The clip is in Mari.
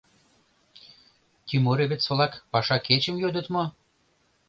— Тимуровец-влак паша кечым йодыт мо?